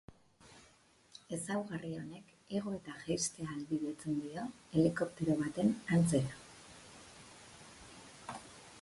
Ezaugarri honek igo eta jaistea ahalbidetzen dio, helikoptero baten antzera.